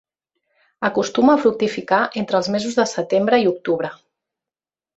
Acostuma a fructificar entre els mesos de setembre i octubre.